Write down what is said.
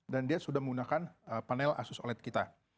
dan dia sudah menggunakan panel asus oled kita